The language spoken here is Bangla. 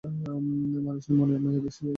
মানুষের মনে মায়া বেশি, এই জন্যে।